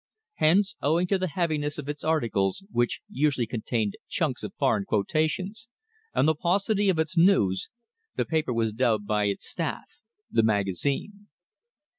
Hence, owing to the heaviness of its articles, which usually contained "chunks" of foreign quotations, and the paucity of its news, the paper was dubbed by its staff "the Magazine."